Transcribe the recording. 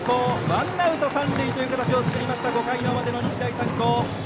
ワンアウト、三塁という形を作りました５回の表、日大三高。